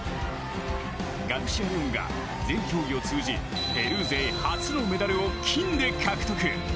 ガルシアレオンが全競技を通じ、ペルー勢初のメダルを、金で獲得。